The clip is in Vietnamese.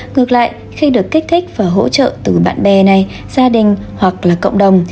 ngược lại khi được kích thích và hỗ trợ từ bạn bè này gia đình hoặc là cộng đồng